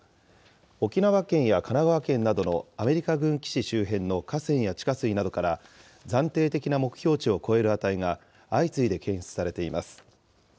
沖縄県や神奈川県などのアメリカ軍基地周辺の河川や地下水などから、暫定的な目標値を超える値が相次いで検出されています。